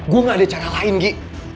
gue gak ada cara lain gi